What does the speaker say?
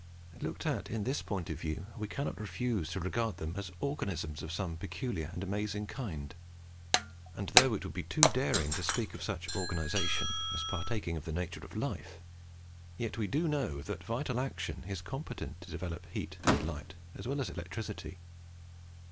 Looked at in this point of view, we cannot refuse to regard them as organisms of some peculiar and amazing kind; and though it would be too daring to speak of such organization as partaking of the nature of life, yet we do know that vital action is competent to develop heat and light, as well as electricity.